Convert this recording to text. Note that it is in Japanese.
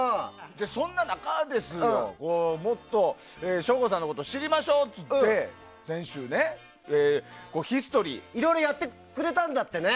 そんな中ですよ省吾さんのことを知りましょうといって、先週ねいろいろやってくれたんだってね。